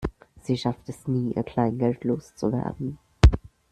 Sie schafft es nie, ihr Kleingeld loszuwerden.